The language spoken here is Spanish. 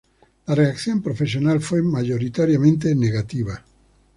La reacción profesional fue mayoritariamente negativa.